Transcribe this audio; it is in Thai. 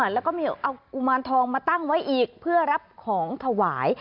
แล้วก็มีเอากุมารทองมาตั้งไว้อีกเพื่อรับของถวาย